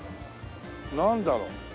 なんだろう？